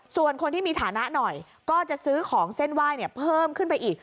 ส่วนคนที่มีฐานะหน่อยก็จะซื้อของเส้นไหว้เพิ่มขึ้นไปอีก